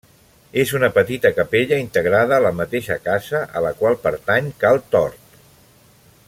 És una petita capella integrada a la mateixa casa a la qual pertany, Cal Tort.